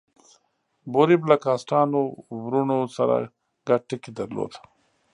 یوریب له کاسټانو وروڼو سره ګډ ټکی درلود.